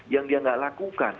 yang dia tidak lakukan